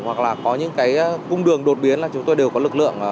hoặc là có những cái cung đường đột biến là chúng tôi đều có lực lượng